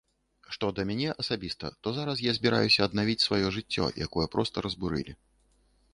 Што да мяне асабіста, то зараз я збіраюся аднавіць сваё жыццё, якое проста разбурылі.